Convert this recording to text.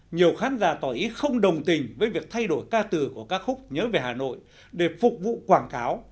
nhiều khán giả tỏ ý không đồng tình với việc thay đổi ca từ của ca khúc nhớ về hà nội để phục vụ quảng cáo